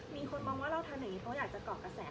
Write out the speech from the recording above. มีคนมองว่าเราทำอย่างนี้เขาอยากจะเกาะกระแส